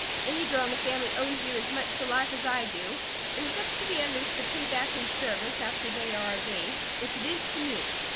Any girl in the family owes you as much for life as I do; it is up to the others to pay back in service, after they are of age, if it is to me.